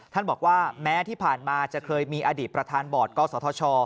บอกว่าแม้ที่ผ่านมาจะเคยมีอดีตประธานบอร์ดกศธช